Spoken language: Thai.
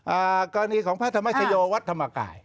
กรณีของพระธรรมชโยวัดธรรมกาย